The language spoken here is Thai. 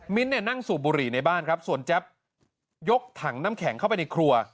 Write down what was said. เนี่ยนั่งสูบบุหรี่ในบ้านครับส่วนแจ๊บยกถังน้ำแข็งเข้าไปในครัว